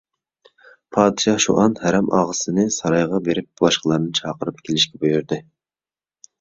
پادىشاھ شۇئان ھەرەمئاغىسىنى سارايغا بېرىپ باشقىلارنى چاقىرىپ كېلىشكە بۇيرۇدى.